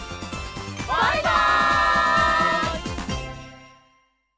バイバイ！